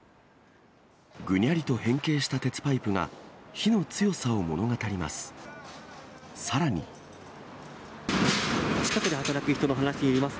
ぐにゃりと変形した鉄パイプが、火の強さを物語ります。